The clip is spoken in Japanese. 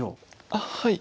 あっはい。